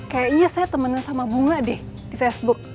kayaknya saya temen sama bunga deh di facebook